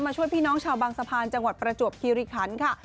ช่วยพี่น้องชาวบางสะพานจังหวัดประจวบคิริคันค่ะ